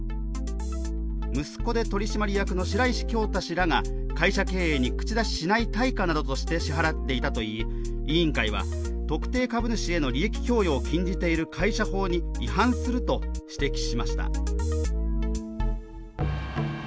息子で取締役の白石京大氏らが会社経営に口だししない対価などとして支払っていたといい委員会は、特定株主への利益供与を禁じている会社法に違反すると指摘しました。